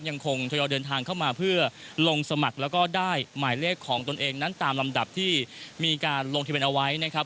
ยังคงทยอยเดินทางเข้ามาเพื่อลงสมัครแล้วก็ได้หมายเลขของตนเองนั้นตามลำดับที่มีการลงทะเบียนเอาไว้นะครับ